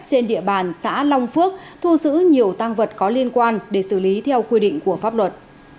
trên địa bàn xã long phước thu giữ nhiều tăng vật có liên quan để xử lý theo quy định của pháp luật